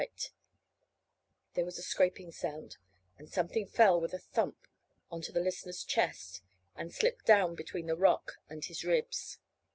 Then there was a scraping sound, and something fell with a thump on to the listener's chest and slipped down between the rock and his ribs.